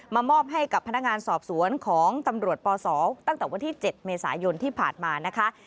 มอบให้กับพนักงานสอบสวนของตำรวจปศตั้งแต่วันที่๗เมษายนที่ผ่านมานะคะ